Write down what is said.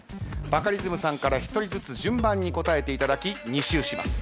バカリズムさんから１人ずつ順番に答えていただき２周します。